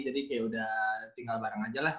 kayak udah tinggal bareng aja lah